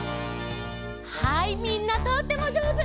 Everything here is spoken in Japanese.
はいみんなとってもじょうず！